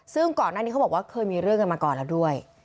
ซึ่งก่อนหน้านี้เขาบอกว่าเคยมีเรื่องกันมาก่อนแล้วด้วย